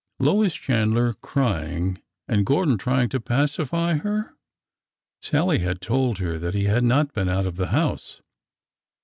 Lois Chandler cry ing and Gordon trying to pacify her! ... Sallie had told her that he had not been out of the house